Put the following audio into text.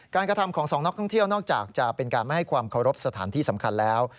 กระทำของสองนักท่องเที่ยวนอกจากจะเป็นการไม่ให้ความเคารพสถานที่สำคัญแล้ว